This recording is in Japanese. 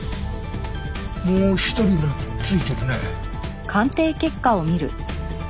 もう一人分付いてるね。